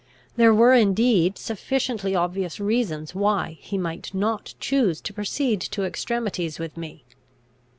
There were indeed sufficiently obvious reasons why he might not choose to proceed to extremities with me.